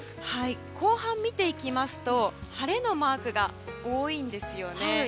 後半見ていきますと晴れのマークが多いんです。